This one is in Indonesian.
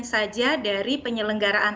saja dari penyelenggaraan